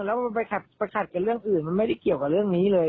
แล้วมันไปขัดกับเรื่องอื่นมันไม่ได้เกี่ยวกับเรื่องนี้เลย